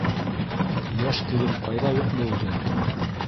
— Йәш килен ҡайҙа юҡ булды?